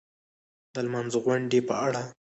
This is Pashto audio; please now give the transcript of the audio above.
د لمانځغونډې په اړه